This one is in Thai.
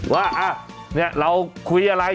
ร้านคุยอะไรแชทอะไร